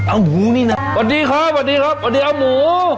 อาหมูนี่นะประดีครับประดีอาหมู